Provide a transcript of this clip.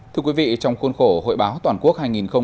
thưa quý vị trong khuôn khổ hội báo toàn quốc hai nghìn hai mươi bốn